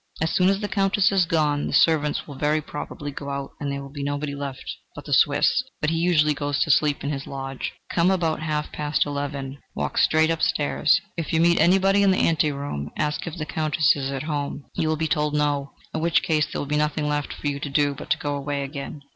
As soon as the Countess is gone, the servants will very probably go out, and there will be nobody left but the Swiss, but he usually goes to sleep in his lodge. Come about half past eleven. Walk straight upstairs. If you meet anybody in the ante room, ask if the Countess is at home. You will be told 'No,' in which case there will be nothing left for you to do but to go away again.